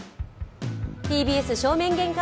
ＴＢＳ正面玄関